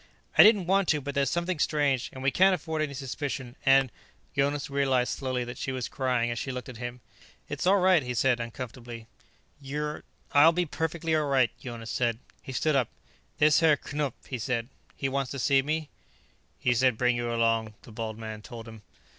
"I didn't want to but there's something strange, and we can't afford any suspicion, and " Jonas realized slowly that she was crying as she looked at him. "It's all right," he said uncomfortably. "You're " "I'll be perfectly all right," Jonas said. He stood up. "This Herr Knupf," he said. "He wants to see me?" "He said bring you along," the bald man told him.